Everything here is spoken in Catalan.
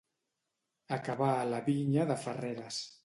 Acabar a la vinya de Ferreres.